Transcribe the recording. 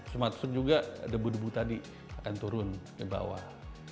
suma suma juga debu debu tadi akan turun di bawah